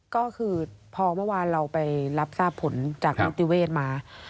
ก็คือพอเมื่อวานเราไปรับทราบผลจากนิติเวศมา